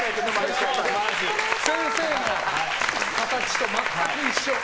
先生の形と全く一緒。